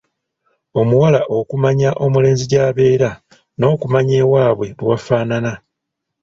Omuwala okumanya omulenzi gy’abeera n’okumanya ewaabwe bwe w'afaanana.